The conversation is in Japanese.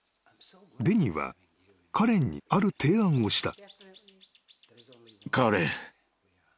［デニーはカレンにある提案をした］